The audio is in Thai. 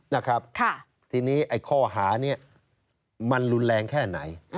นะครับทีนี้ไอ้ข้อหานี้มันรุนแรงแค่ไหน